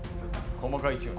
細かい位置が。